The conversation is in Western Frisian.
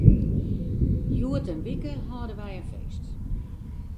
Hjoed in wike hâlde wy in feest.